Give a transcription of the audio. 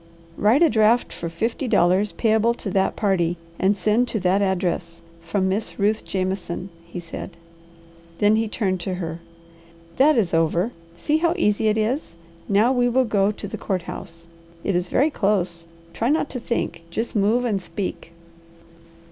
"Write a draft for fifty dollars payable to that party, and send to that address, from Miss Ruth Jameson," he said. Then he turned to her. "That is over. See how easy it is! Now we will go to the court house. It is very close. Try not to think. Just move and speak."